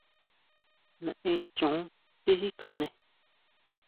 ¿Naen choón tisikjané?